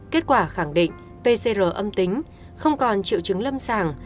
kết quả khẳng định pcr âm tính không còn triệu chứng lâm sàng